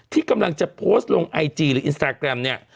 ที่กำลังจะโพสต์ลงไอจีหรืออินสตาแกรมเนี่ย